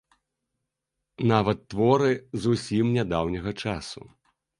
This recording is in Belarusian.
Нават творы зусім нядаўняга часу.